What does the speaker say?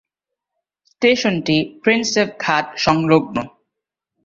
স্টেশনটি প্রিন্সেপ ঘাট সংলগ্ন।